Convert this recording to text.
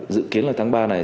dự kiến là tháng ba này